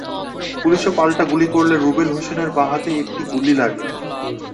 পুলিশও পাল্টা গুলি করলে রুবেল হোসেনের বাঁ হাতে একটি গুলি লাগে।